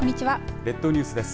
列島ニュースです。